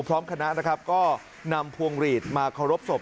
พร้อมคณะก็นำพวงหลีดมาเคารพศพ